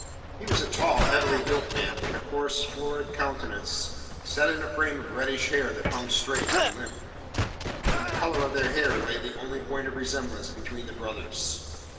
He was a tall, heavily built man, with a coarse, florid countenance set in a frame of reddish hair that hung straight and limp. In the colour of their hair lay the only point of resemblance between the brothers.